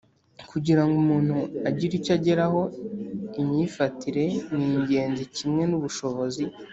“kugira ngo umuntu agire icyo ageraho, imyifatire ni ingenzi kimwe n'ubushobozi.”